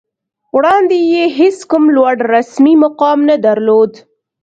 وړاندې یې هېڅ کوم لوړ رسمي مقام نه درلود